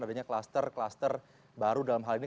adanya kluster kluster baru dalam hal ini